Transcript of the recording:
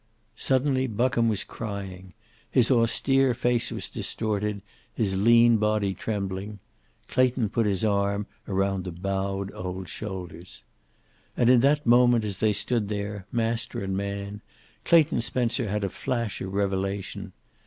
Suddenly Buckham was crying. His austere face was distorted, his lean body trembling. Clayton put his arm around the bowed old shoulders. And in that moment, as they stood there, master and man, Clayton Spencer had a flash of revelation.